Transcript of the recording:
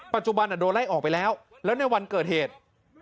โดนไล่ออกไปแล้วแล้วในวันเกิดเหตุ